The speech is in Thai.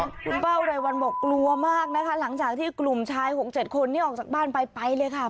คุณเป้ารายวันบอกกลัวมากนะคะหลังจากที่กลุ่มชาย๖๗คนนี้ออกจากบ้านไปไปเลยค่ะ